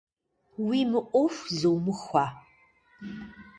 Уи мыӏуэху зумыхуэ!